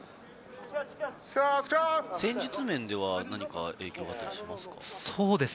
戦術面では何か影響はあったりしますか？